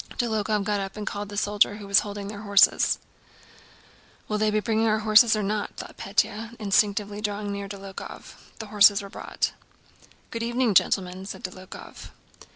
Dólokhov got up and called to the soldier who was holding their horses. "Will they bring our horses or not?" thought Pétya, instinctively drawing nearer to Dólokhov. The horses were brought. "Good evening, gentlemen," said Dólokhov.